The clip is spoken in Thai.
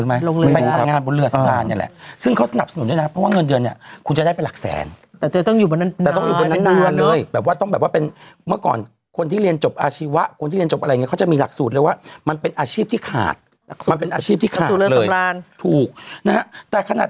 มึงมาอาจารย์งานบนเรือสักพันล้าน